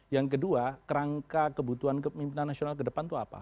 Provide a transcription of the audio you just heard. yang kedua kerangka kebutuhan kepemimpinan nasional ke depan itu apa